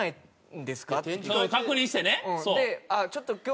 確認してねそう。